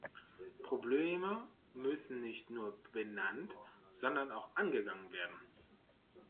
Probleme müssen nicht nur benannt, sondern auch angegangen werden.